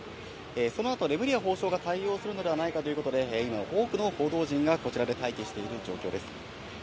そのあと、レムリヤ法相が対応するのではないかということで、今、多くの報道陣がこちらで待機している状況です。